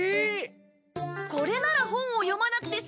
これなら本を読まなくて済むよ。